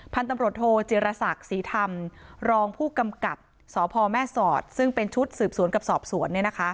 พันธุ์ตำรวจโทจิรษักศรีธรรมรองผู้กำกับสพแม่สอดซึ่งเป็นชุดสืบสวนกับสอบสวน